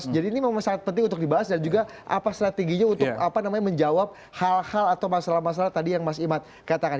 jadi ini memang sangat penting untuk dibahas dan juga apa strateginya untuk menjawab hal hal atau masalah masalah tadi yang mas imad katakan